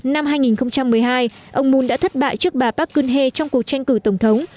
năm hai nghìn một mươi hai ông moon đã thất bại trước bà park kyung hee trong cuộc tranh cử tổng thống